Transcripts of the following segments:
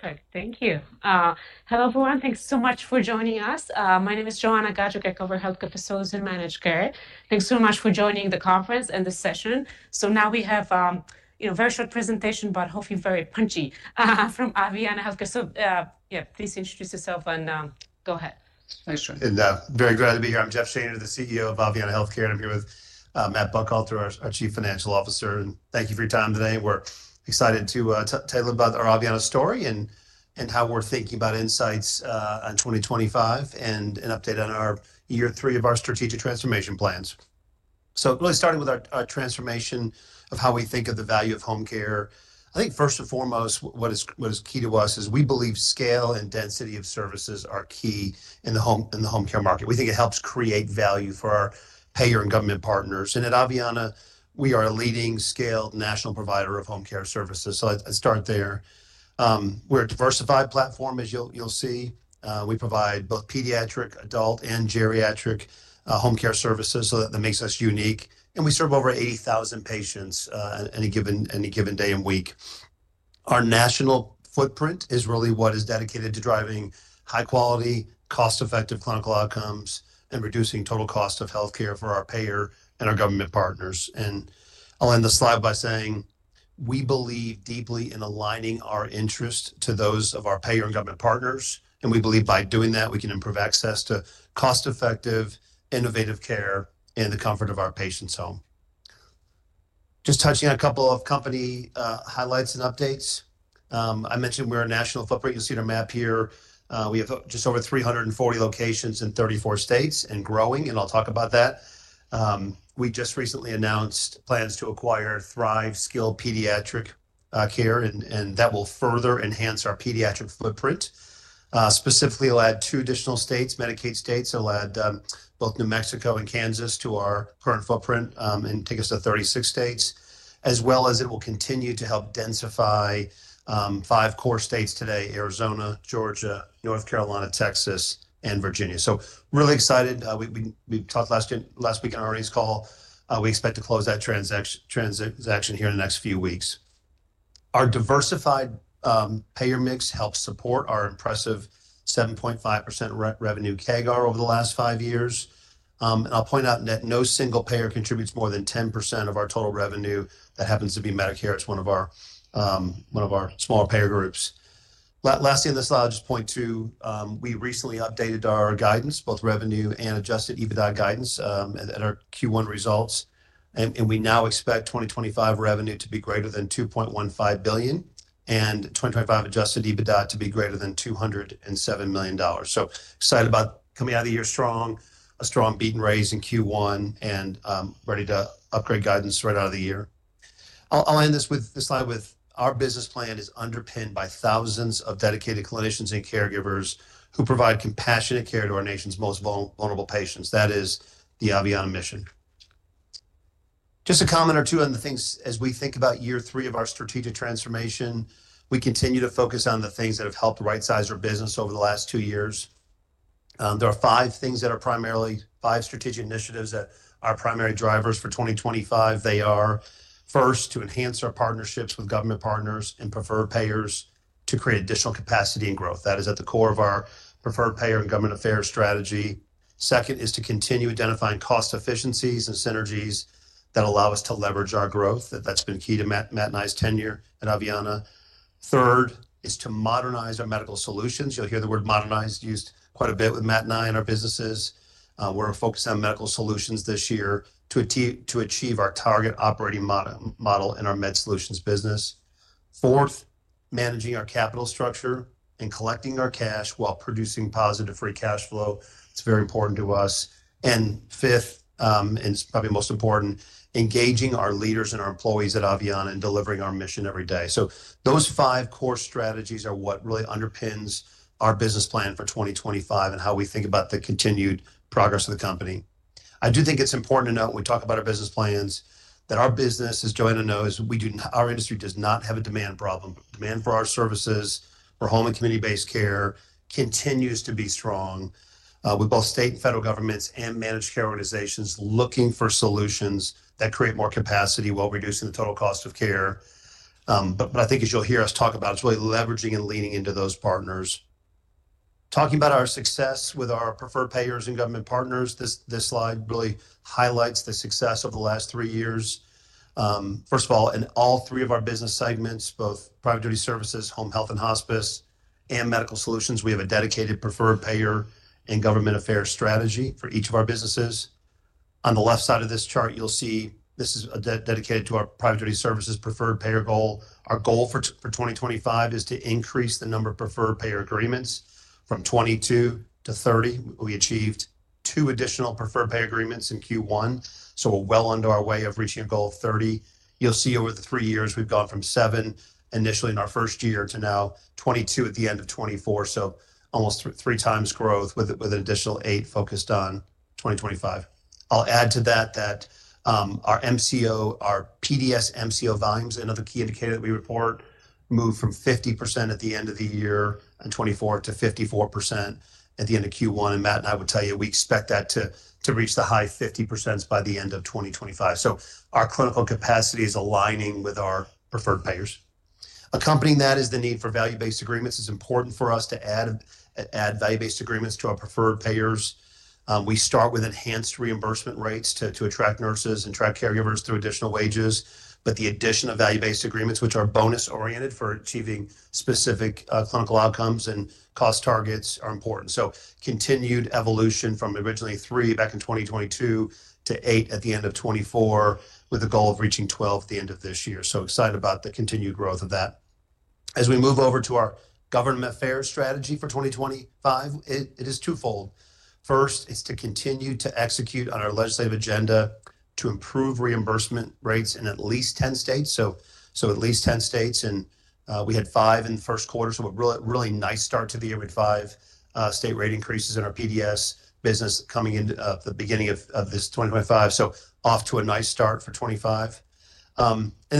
Perfect. Thank you. Hello, everyone. Thanks so much for joining us. My name is Joanna Gajuk, Healthcare Facilities and Managed Care. Thanks so much for joining the conference and the session. Now we have a very short presentation, but hopefully very punchy from Aveanna Healthcare. Yeah, please introduce yourself and go ahead. Very glad to be here. I'm Jeff Shaner, the CEO of Aveanna Healthcare. I'm here with Matt Buckhalter, our Chief Financial Officer. Thank you for your time today. We're excited to tell you a little bit about our Aveanna story and how we're thinking about insights on 2025 and an update on year three of our strategic transformation plans. Really starting with our transformation of how we think of the value of home care. I think first and foremost, what is key to us is we believe scale and density of services are key in the home care market. We think it helps create value for our payer and government partners. At Aveanna, we are a leading scaled national provider of home care services. I'd start there. We're a diversified platform, as you'll see. We provide both pediatric, adult, and geriatric home care services, so that makes us unique. We serve over 80,000 patients any given day and week. Our national footprint is really what is dedicated to driving high-quality, cost-effective clinical outcomes and reducing total cost of healthcare for our payer and our government partners. I'll end the slide by saying we believe deeply in aligning our interests to those of our payer and government partners. We believe by doing that, we can improve access to cost-effective, innovative care in the comfort of our patients' home. Just touching on a couple of company highlights and updates. I mentioned we're a national footprint. You'll see our map here. We have just over 340 locations in 34 states and growing, and I'll talk about that. We just recently announced plans to acquire Thrive Skilled Pediatric Care, and that will further enhance our pediatric footprint. Specifically, it'll add two additional states, Medicaid states. It'll add both New Mexico and Kansas to our current footprint and take us to 36 states, as well as it will continue to help densify five core states today: Arizona, Georgia, North Carolina, Texas, and Virginia. Really excited. We talked last week on our earnings call. We expect to close that transaction here in the next few weeks. Our diversified payer mix helps support our impressive 7.5% revenue CAGR over the last five years. I'll point out that no single payer contributes more than 10% of our total revenue. That happens to be Medicare. It's one of our smaller payer groups. Lastly, on this slide, I'll just point to we recently updated our guidance, both revenue and adjusted EBITDA guidance, and our Q1 results. We now expect 2025 revenue to be greater than $2.15 billion and 2025 adjusted EBITDA to be greater than $207 million. Excited about coming out of the year strong, a strong beat and raise in Q1, and ready to upgrade guidance right out of the year. I'll end this with this slide with our business plan is underpinned by thousands of dedicated clinicians and caregivers who provide compassionate care to our nation's most vulnerable patients. That is the Aveanna mission. Just a comment or two on the things as we think about year three of our strategic transformation. We continue to focus on the things that have helped right-size our business over the last two years. There are five things that are primarily five strategic initiatives that are primary drivers for 2025. They are, first, to enhance our partnerships with government partners and preferred payers to create additional capacity and growth. That is at the core of our preferred payer and government affairs strategy. Second is to continue identifying cost efficiencies and synergies that allow us to leverage our growth. That's been key to Matt and I's tenure at Aveanna. Third is to modernize our Medical Solutions. You'll hear the word modernized used quite a bit with Matt and I in our businesses. We're focused on Medical Solutions this year to achieve our target operating model in our Medical Solutions business. Fourth, managing our capital structure and collecting our cash while producing positive free cash flow. It's very important to us. Fifth, and it's probably most important, engaging our leaders and our employees at Aveanna and delivering our mission every day. Those five core strategies are what really underpins our business plan for 2025 and how we think about the continued progress of the company. I do think it's important to note when we talk about our business plans that our business, as Joanna knows, our industry does not have a demand problem. Demand for our services, for home and community-based care, continues to be strong with both state and federal governments and managed care organizations looking for solutions that create more capacity while reducing the total cost of care. I think, as you'll hear us talk about, it's really leveraging and leaning into those partners. Talking about our success with our preferred payers and government partners, this slide really highlights the success over the last three years. First of all, in all three of our business segments, both Private Duty Services, Home Health and Hospice, and Medical Solutions, we have a dedicated preferred payer and government affairs strategy for each of our businesses. On the left side of this chart, you'll see this is dedicated to our Private Duty Services preferred payer goal. Our goal for 2025 is to increase the number of preferred payer agreements from 22-30. We achieved two additional preferred payer agreements in Q1, so we're well under our way of reaching a goal of 30. You'll see over the three years we've gone from 7 initially in our first year to now 22 at the end of 2024, so almost 3x growth with an additional 8 focused on 2025. I'll add to that that our PDS MCO volumes, another key indicator that we report, moved from 50% at the end of the year in 2024 to 54% at the end of Q1. Matt and I would tell you, we expect that to reach the high 50% by the end of 2025. Our clinical capacity is aligning with our preferred payers. Accompanying that is the need for value-based agreements. It's important for us to add value-based agreements to our preferred payers. We start with enhanced reimbursement rates to attract nurses and attract caregivers through additional wages. The addition of value-based agreements, which are bonus-oriented for achieving specific clinical outcomes and cost targets, are important. Continued evolution from originally three back in 2022 to 8 at the end of 2024 with a goal of reaching twelve at the end of this year. Excited about the continued growth of that. As we move over to our government affairs strategy for 2025, it is twofold. First, it's to continue to execute on our legislative agenda to improve reimbursement rates in at least 10 states. At least 10 states. We had 5 in the first quarter, so a really nice start to the year with 5 state rate increases in our PDS business coming into the beginning of this 2025. Off to a nice start for 2025.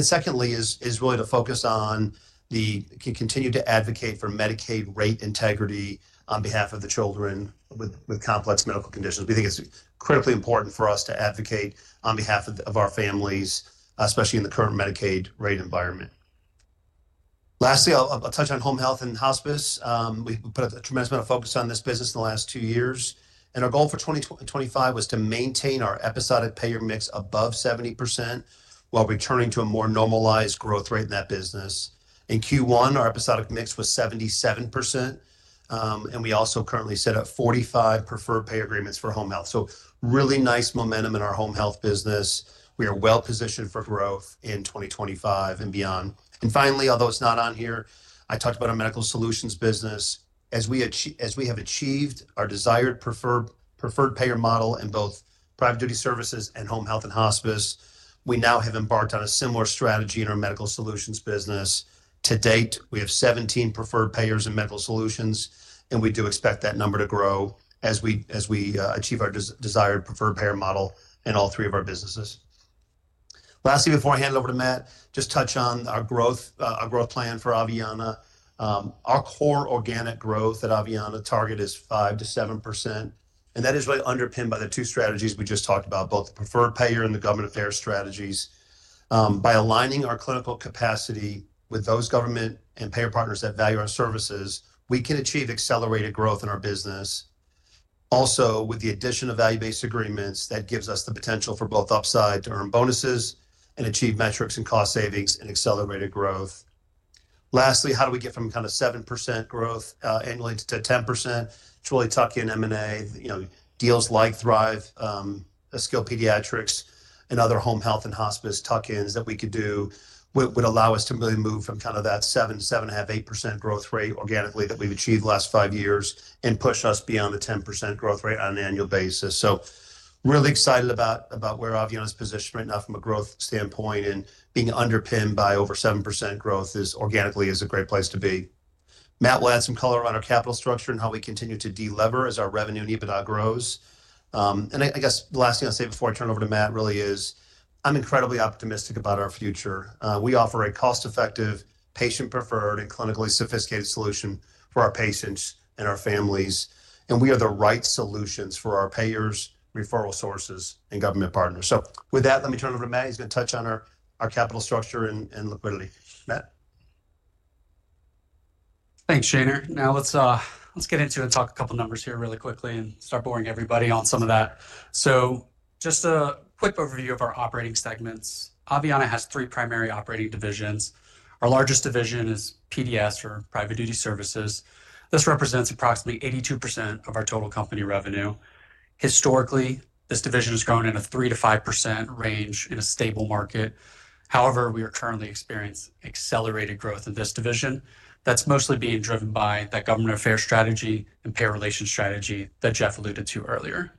Secondly, it is really to focus on the continue to advocate for Medicaid rate integrity on behalf of the children with complex medical conditions. We think it's critically important for us to advocate on behalf of our families, especially in the current Medicaid rate environment. Lastly, I'll touch on Home, Health, and Hospice. We put a tremendous amount of focus on this business in the last two years. Our goal for 2025 was to maintain our episodic payer mix above 70% while returning to a more normalized growth rate in that business. In Q1, our episodic mix was 77%. We also currently set up 45 preferred payer agreements for home health. Really nice momentum in our home health business. We are well-positioned for growth in 2025 and beyond. Finally, although it's not on here, I talked about our Medical Solutions business. As we have achieved our desired preferred payer model in both Private Duty Services and Home, Health, and Hospice, we now have embarked on a similar strategy in our Medical Solutions business. To date, we have 17 preferred payers in Medical Solutions, and we do expect that number to grow as we achieve our desired preferred payer model in all three of our businesses. Lastly, before I hand it over to Matt, just touch on our growth plan for Aveanna. Our core organic growth at Aveanna target is 5%-7%. And that is really underpinned by the two strategies we just talked about, both the preferred payer and the government affairs strategies. By aligning our clinical capacity with those government and payer partners that value our services, we can achieve accelerated growth in our business. Also, with the addition of value-based agreements, that gives us the potential for both upside to earn bonuses and achieve metrics and cost savings and accelerated growth. Lastly, how do we get from kind of 7% growth annually to 10%? It's really tucking in M&A, deals like Thrive Skilled Pediatric Care, and other Home, Heath, and Hospice tuck-ins that we could do would allow us to really move from kind of that 7, 7.5, 8% growth rate organically that we've achieved the last five years and push us beyond the 10% growth rate on an annual basis. Really excited about where Aveanna's position right now from a growth standpoint and being underpinned by over 7% growth organically is a great place to be. Matt will add some color on our capital structure and how we continue to delever as our revenue and EBITDA grows. I guess the last thing I'll say before I turn it over to Matt really is I'm incredibly optimistic about our future. We offer a cost-effective, patient-preferred, and clinically sophisticated solution for our patients and our families. We are the right solutions for our payers, referral sources, and government partners. With that, let me turn it over to Matt. He's going to touch on our capital structure and liquidity. Matt. Thanks, Shaner. Now let's get into it and talk a couple of numbers here really quickly and start boring everybody on some of that. Just a quick overview of our operating segments. Aveanna has three primary operating divisions. Our largest division is PDS or Private Duty Services. This represents approximately 82% of our total company revenue. Historically, this division has grown in a 3%-5% range in a stable market. However, we are currently experiencing accelerated growth in this division. That's mostly being driven by that government affairs strategy and payer relation strategy that Jeff alluded to earlier.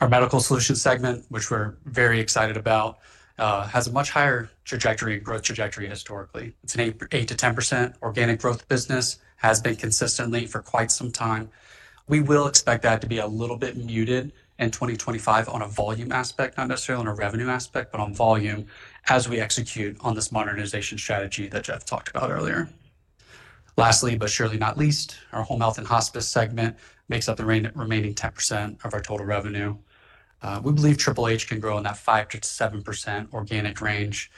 Our Medical Solutions segment, which we're very excited about, has a much higher trajectory and growth trajectory historically. It's an 8%-10% organic growth business has been consistently for quite some time. We will expect that to be a little bit muted in 2025 on a volume aspect, not necessarily on a revenue aspect, but on volume as we execute on this modernization strategy that Jeff talked about earlier. Lastly, but surely not least, our Home, Heath, and Hospice segment makes up the remaining 10% of our total revenue. We believe HHH can grow in that 5%-7% organic range.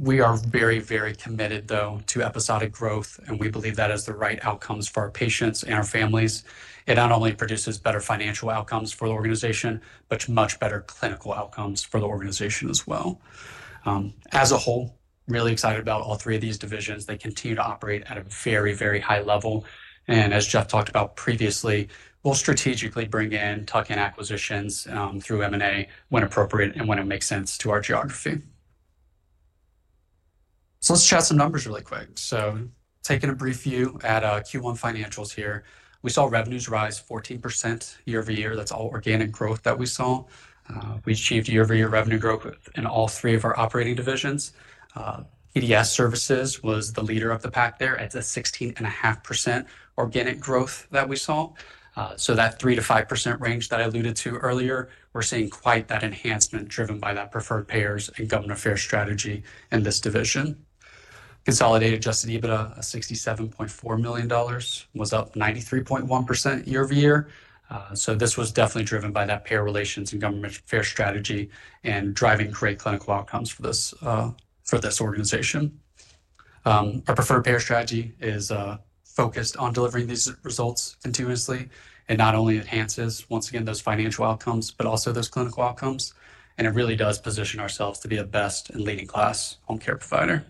We are very, very committed, though, to episodic growth, and we believe that has the right outcomes for our patients and our families. It not only produces better financial outcomes for the organization, but much better clinical outcomes for the organization as well. As a whole, really excited about all three of these divisions. They continue to operate at a very, very high level. As Jeff talked about previously, we'll strategically bring in tuck-in acquisitions through M&A when appropriate and when it makes sense to our geography. Let's chat some numbers really quick. Taking a brief view at Q1 financials here, we saw revenues rise 14% year-over-year. That's all organic growth that we saw. We achieved year-over-year revenue growth in all three of our operating divisions. PDS services was the leader of the pack there at the 16.5% organic growth that we saw. That 3%-5% range that I alluded to earlier, we're seeing quite that enhancement driven by that preferred payers and government affairs strategy in this division. Consolidated adjusted EBITDA of $67.4 million was up 93.1% year-over-year. This was definitely driven by that payer relations and government affairs strategy and driving great clinical outcomes for this organization. Our preferred payer strategy is focused on delivering these results continuously. It not only enhances, once again, those financial outcomes, but also those clinical outcomes. It really does position ourselves to be a best and leading-class home care provider.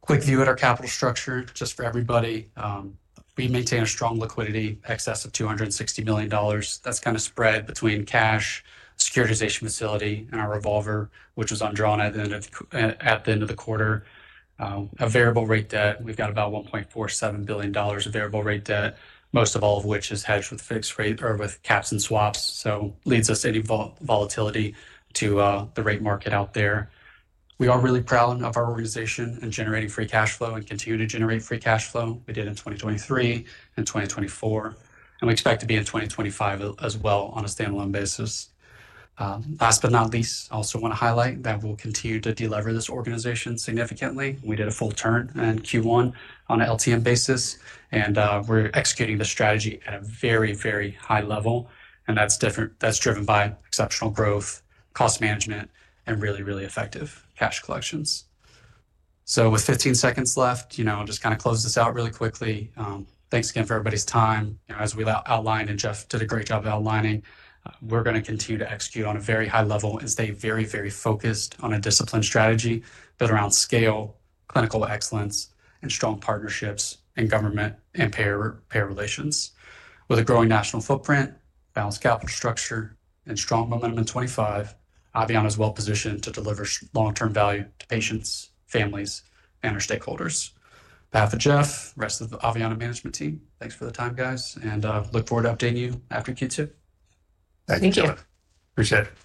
Quick view at our capital structure just for everybody. We maintain a strong liquidity excess of $260 million. That is kind of spread between cash, securitization facility, and our revolver, which was undrawn at the end of the quarter. A variable-rate we have got about $1.47 billion of variable-rate, most of all of which is hedged with fixed rate or with caps and swaps. This leads us to any volatility to the rate market out there. We are really proud of our organization and generating free cash flow and continue to generate free cash flow. We did in 2023 and 2024. We expect to be in 2025 as well on a standalone basis. Last but not least, I also want to highlight that we will continue to deliver this organization significantly. We did a full turn in Q1 on an LTM basis. We are executing the strategy at a very, very high level. That is driven by exceptional growth, cost management, and really, really effective cash collections. With 15 seconds left, I will just kind of close this out really quickly. Thanks again for everybody's time. As we outlined and Jeff did a great job of outlining, we are going to continue to execute on a very high level and stay very, very focused on a disciplined strategy built around scale, clinical excellence, and strong partnerships in government and payer relations. With a growing national footprint, balanced capital structure, and strong momentum in 2025, Aveanna is well positioned to deliver long-term value to patients, families, and our stakeholders. Matt and Jeff, rest of the Aveanna management team, thanks for the time, guys. I look forward to updating you after Q2. Thank you. Thank you. Appreciate it.